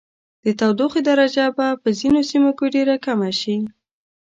د تودوخې درجه به په ځینو سیمو کې ډیره کمه شي.